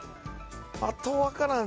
あと分からん。